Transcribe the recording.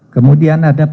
kemudian ada pelaksana